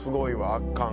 圧巻。